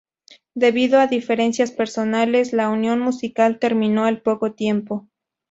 Debido a diferencias personales la unión musical terminó al poco tiempo.